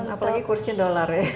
apalagi kursusnya dollar ya